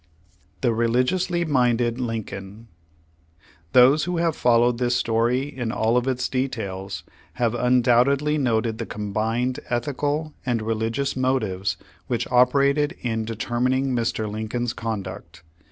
THE RELIGIOUSLY MINDED LINCOLN Those who have followed this story in all of its details, have undoubtedly noted the combined ethical and religious motives which operated in determining Mr. Lincoln's conduct.